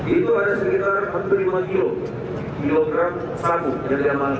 itu ada sekitar hampir lima kilogram sabu yang diamankan